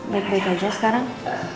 baik baik aja sekarang